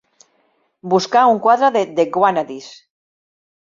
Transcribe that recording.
buscar un quadre de The Wannadies.